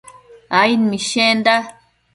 aid mishenda